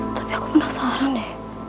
tapi aku penasaran ya